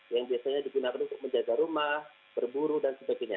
yang biasanya digunakan untuk menjaga rumah berburu dan sebagainya